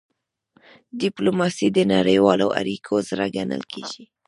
ډيپلوماسي د نړیوالو اړیکو زړه ګڼل کېږي.